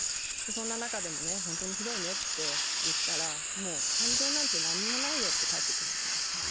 そんな中でも本当にひどいねって言ったら、もう感情なんて何もないよって返ってくるわけですよ。